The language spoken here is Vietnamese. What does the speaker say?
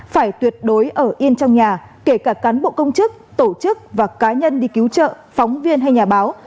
phải tuyệt đối ở yên trong nhà kể cả cán bộ công chức tổ chức và cá nhân đi cứu trợ phóng viên hay nhà báo